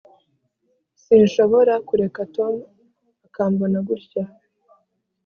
sinshobora kureka tom akambona gutya.